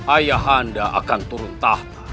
ayah anda akan turun tahta